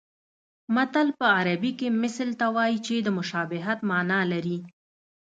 متل په عربي کې مثل ته وایي چې د مشابهت مانا لري